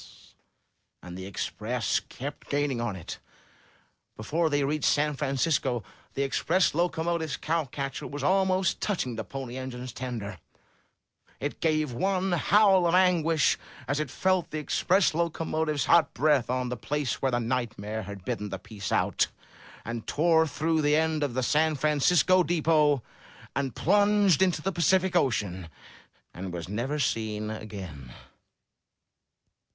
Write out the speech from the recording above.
And the Express kept gaining on it. Before they reached 350 UP ONE PAIR OF STAIRS San Francisco, the Express locomotive^s cow catcher was almost touching the Pony Engine's tender; it gave one howl of anguish as it felt the Express locomotive's hot breath on the place where the nightmare had bitten the piece out, and tore through the end of the San Francisco depot, and plunged into the Pacific Ocean, and was never seen again.